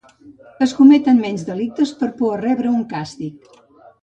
Es cometen menys delictes per por a rebre un càstig.